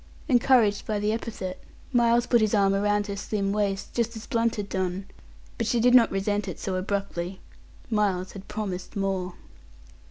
Encouraged by the epithet, Miles put his arm round her slim waist, just as Blunt had done, but she did not resent it so abruptly. Miles had promised more.